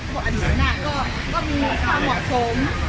เขาบอกอดีตหัวหน้าเองก็มีความเหมาะสม